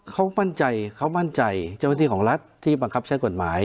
เขามั่นใจเขามั่นใจเจ้าหน้าที่ของรัฐที่บังคับใช้กฎหมาย